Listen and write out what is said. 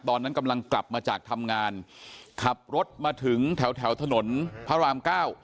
ตอนนั้นกำลังกลับมาจากทำงานขับรถมาถึงแถวแถวถนนพระรามเก้า